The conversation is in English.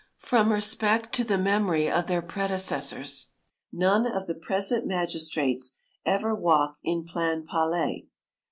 From respect to the memory of their predecessors, none of the present magistrates ever walk in Plainpalais.